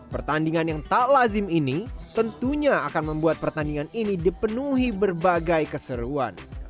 pertandingan yang tak lazim ini tentunya akan membuat pertandingan ini dipenuhi berbagai keseruan